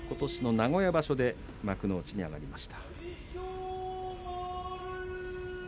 ことしの名古屋場所で幕内に上がりました。